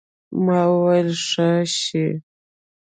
ما وويل ښه شى.